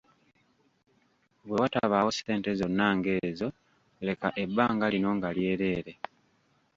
Bwe watabaawo ssente zonna ng’ezo, leka ebbanga lino nga lyereere.